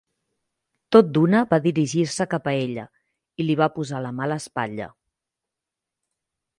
Tot d'una va dirigir-se cap a ella i li va posar la mà a l'espatlla.